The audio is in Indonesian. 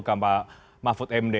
terima kasih pak mahfud md